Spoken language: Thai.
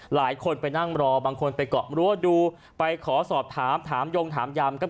หลายคนไปนั่งรอบางคนไปเกาะรั้วดูไปขอสอบถามถามยงถามยามก็